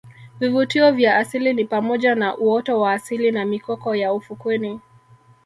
Vivutio vya asili ni pamoja na uoto wa asili na mikoko ya ufukweni